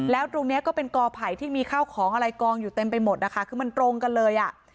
แล้วตรงนี้ก็เป็นกอไผ่ที่มีข้าวของอะไรกองอยู่เต็มไปหมดนะคะคือมันตรงกันเลยอ่ะ